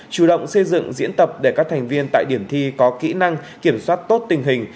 chủ động xây dựng diễn tập để các thành viên tại điểm thi có kỹ năng kiểm soát tốt tình hình